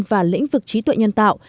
và lĩnh vực trí tuệ nhân tạo